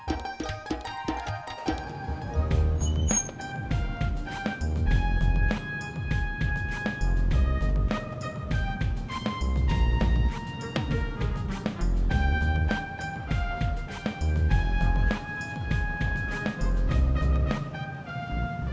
opo kalau karyateif ini bernian